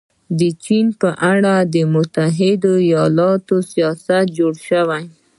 د چین په اړه د متحده ایالتونو سیاست جوړ شوی.